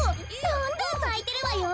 どんどんさいてるわよ。